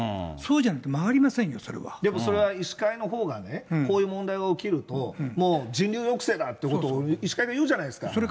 そうじゃないと回りませんよ、でも、それは医師会のほうがね、こういう問題が起きると、もう人流抑制だということを医師会が言うじゃないですか。